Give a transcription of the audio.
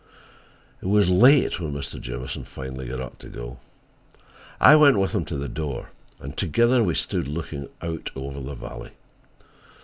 It was late when Mr. Jamieson finally got up to go. I went with him to the door, and together we stood looking out over the valley.